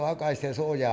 そうじゃ。